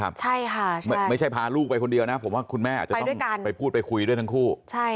เข้าปรึกษากันแล้วนะครับไม่ใช่พาลูกไปคนเดียวนะผมว่าคุณแม่อาจจะต้องไปพูดไปคุยด้วยทั้งคู่